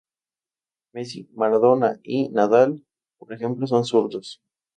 Messi, Maradona y Nadal, por ejemplo, son zurdos.